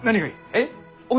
えっ？